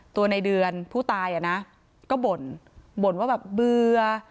ตัวในเดือนผู้ตายอ่ะนะก็บ่นบ่นว่าแบบเบื่อ